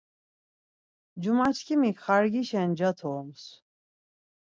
Cumaçkimik xargişen nca torums.